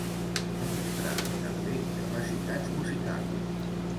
Va mostrar, també, capacitats musicals.